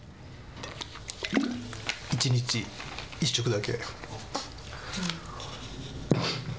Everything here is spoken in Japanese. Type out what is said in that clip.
１日１食だけ。